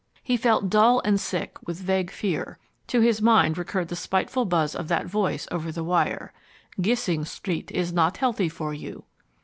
He felt dull and sick with vague fear. To his mind recurred the spiteful buzz of that voice over the wire "Gissing Street is not healthy for you."